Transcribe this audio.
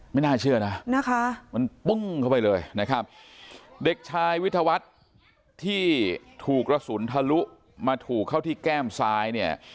ไม่น่าเชื่อนะนะคะมันปึ้งเข้าไปเลยนะครับเด็กชายวิทยาวัฒน์ที่ถูกกระสุนทะลุมาถูกเข้าที่แก้มซ้ายเนี่ย